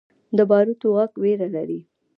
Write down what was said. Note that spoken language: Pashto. د باروتو غږ ویره لري.